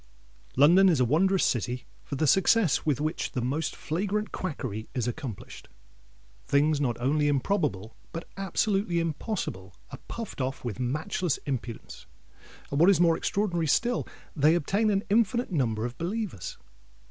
London is a wondrous city for the success with which the most flagrant quackery is accomplished. Things not only improbable, but absolutely impossible, are puffed off with matchless impudence; and, what is more extraordinary still, they obtain an infinite number of believers.